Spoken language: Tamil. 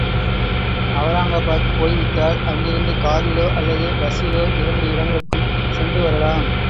அவுரங்காபாத் போய்விட்டால் அங்கிருந்து காரிலோ, அல்லது பஸ்ஸிலோ இரண்டு இடங்களுக்கும் சென்று வரலாம்.